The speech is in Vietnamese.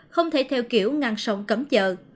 không thể theo kiểu ngăn sông cấm chợ